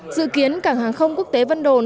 dự kiến cảng hàng không quốc tế vân đồn